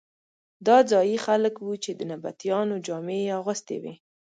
دا ځايي خلک وو چې د نبطیانو جامې یې اغوستې وې.